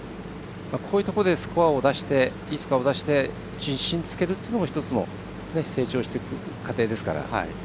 こういうところでいいスコアを出して自信をつけるというのも１つ成長していく過程ですから。